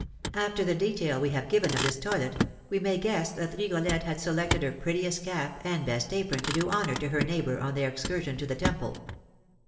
After the detail we have given of this toilet, we may guess that Rigolette had selected her prettiest cap and best apron to do honour to her neighbour on their excursion to the Temple.